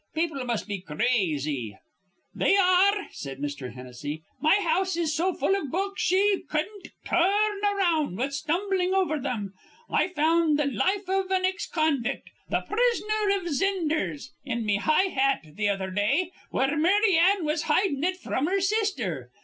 People must be crazy." "They ar re," said Mr. Hennessy. "My house is so full iv books ye cudden't tur rn around without stumblin' over thim. I found th' life iv an ex convict, the 'Prisoner iv Zinders,' in me high hat th' other day, where Mary Ann was hidin' it fr'm her sister.